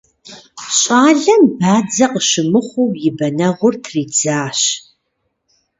ЩӀалэм бадзэ къыщымыхъуу и бэнэгъур тридзащ.